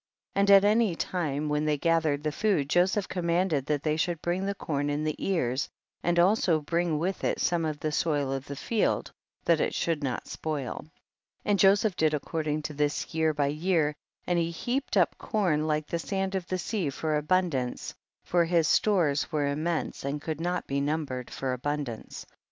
And at any lime when they gathered the food Joseph command ed that they should bring the corn in the ears, and also bring with it some of the soil of the field, that it should not spoil. 10. And Joseph did according to this year by year, and lie heaped up corn like the sand of the sea for abundance, for his stores were im mense and could not be numbered for abundance. 11.